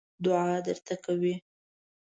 دعاګانې درته کوي.